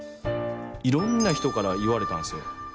いろんな人から言われたんすよ。